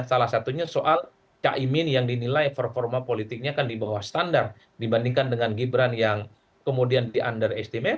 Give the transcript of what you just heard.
salah satunya soal caimin yang dinilai performa politiknya kan di bawah standar dibandingkan dengan gibran yang kemudian di under estimate